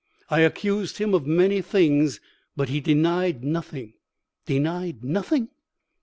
I accused him of many things, but he denied nothing.' "'Denied nothing?'